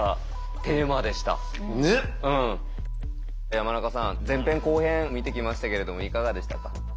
山中さん前編・後編見てきましたけれどもいかがでしたか？